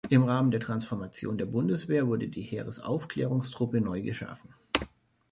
Im Rahmen der Transformation der Bundeswehr wurde die Heeresaufklärungstruppe neu geschaffen.